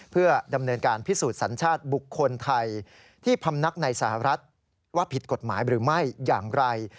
เพื่อดำเนินการพิสูจน์สัญชาติบุคคลไทยที่พำนักในสหรัฐว่าผิดกฎหมายหรือไม่อย่างไร